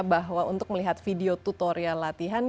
bahwa untuk melihat video tutorial latihan